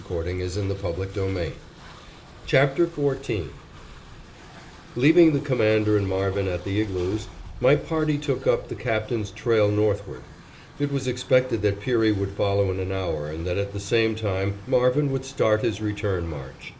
CHAPTER XIV BARTLETT'S FARTHEST NORTH HIS QUIET GOOD BY Leaving the Commander and Marvin at the igloos, my party took up the Captain's trail northward. It was expected that Peary would follow in an hour and that at the same time Marvin would start his return march.